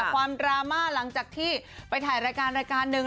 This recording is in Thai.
ความดราม่าหลังจากที่ไปถ่ายรายการรายการหนึ่ง